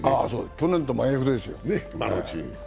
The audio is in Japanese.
去年と真逆ですよ。